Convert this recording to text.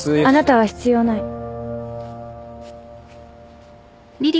あなたは必要ない。